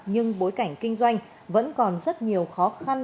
nhưng bối cảnh kinh doanh vẫn còn rất nhiều khó khăn